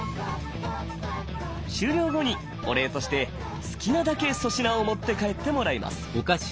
終了後にお礼として好きなだけ粗品を持って帰ってもらいます。